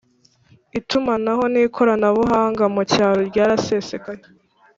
itumanaho n ikoranabuhanga mu cyaro ryarasesekaye